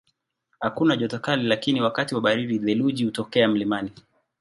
Hakuna joto kali lakini wakati wa baridi theluji hutokea mlimani.